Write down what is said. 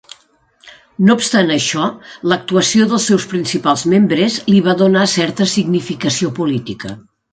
No obstant això, l'actuació dels seus principals membres li va donar certa significació política.